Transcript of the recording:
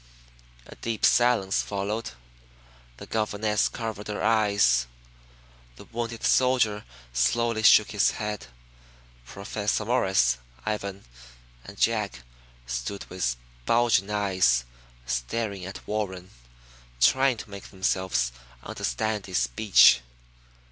A deep silence followed. The governess covered her eyes. The wounded soldier slowly shook his head. Professor Morris, Ivan and jack stood with bulging eyes staring at Warren, trying to make themselves understand his speech.